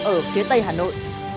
ở phía tây hà nội